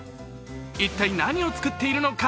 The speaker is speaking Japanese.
一体何を作っているのか？